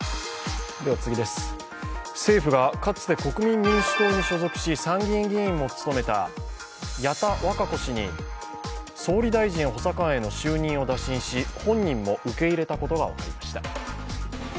政府がかつて国民民主党に所属し参議院議員も務めた矢田稚子氏に総理大臣補佐官への就任を打診し、本人も受け入れたことが分かりました。